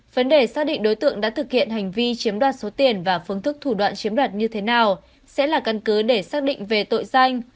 vấn đề xác định đối tượng đã thực hiện hành vi chiếm đoạt số tiền và phương thức thủ đoạn chiếm đoạt như thế nào sẽ là căn cứ để xác định về tội danh